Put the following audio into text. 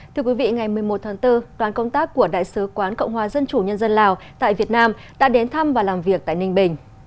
thưa quý vị ngày một mươi một tháng bốn đoàn công tác của đại sứ quán cộng hòa dân chủ nhân dân lào tại việt nam đã đến thăm và làm việc tại ninh bình